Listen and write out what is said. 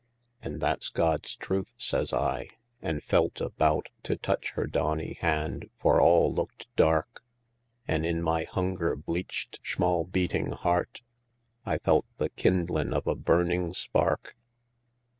"An' that's God's truth!" says I, an' felt about To touch her dawney hand, for all looked dark, An' in my hunger bleached, shmall beatin' heart, I felt the kindlin' of a burning spark.